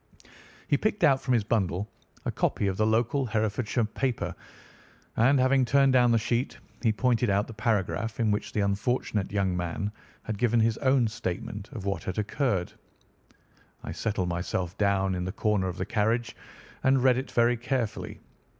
He picked out from his bundle a copy of the local Herefordshire paper, and having turned down the sheet he pointed out the paragraph in which the unfortunate young man had given his own statement of what had occurred. I settled myself down in the corner of the carriage and read it very carefully.